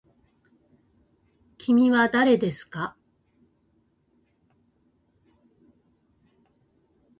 きみはだれですか。